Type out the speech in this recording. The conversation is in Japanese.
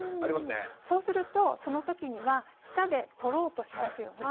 そうするとそのときには舌で取ろうとしますよね？